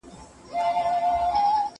مړۍ وخوره!.